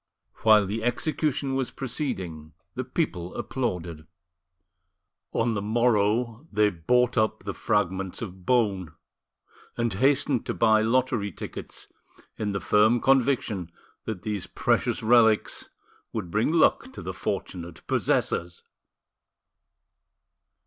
While the execution was proceeding the people applauded. On the morrow they bought up the fragments of bone, and hastened to buy lottery tickets, in the firm conviction that these precious relics would bring luck to the fortunate possessors!